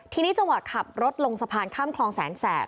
ทีนี้จังหวะขับรถลงสะพานข้ามคลองแสนแสบ